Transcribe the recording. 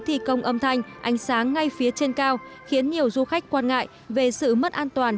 thi công âm thanh ánh sáng ngay phía trên cao khiến nhiều du khách quan ngại về sự mất an toàn